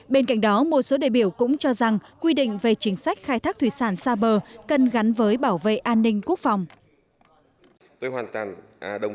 bên cạnh đó một số đề biểu cũng cho rằng quy định về chính sách khai thác thủy sản xa bờ cần gắn với bảo vệ an ninh quốc phòng